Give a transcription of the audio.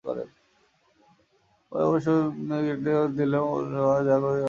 পরে অবশ্য ক্রিকেটকে প্রাধান্য দিলেও কুকের হৃদয়ের একটা জায়গাজুড়ে গানটা কিন্তু আছেই।